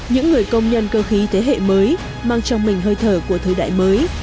những người công nhân cơ khí thế hệ mới mang trong mình hơi thở của thời đại mới